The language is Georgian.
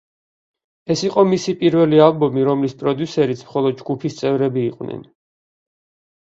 ეს იყო მისი პირველი ალბომი, რომლის პროდიუსერიც მხოლოდ ჯგუფის წევრები იყვნენ.